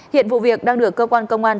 hiện vụ việc đang được cơ quan công an